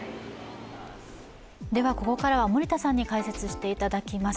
ではここからは森田さんに解説をしていただきます。